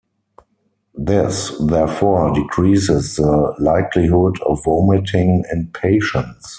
This, therefore, decreases the likelihood of vomiting in patients.